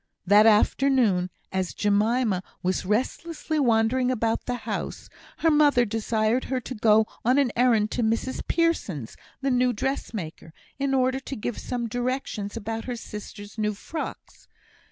That afternoon, as Jemima was restlessly wandering about the house, her mother desired her to go on an errand to Mrs Pearson's, the new dressmaker, in order to give some directions about her sisters' new frocks.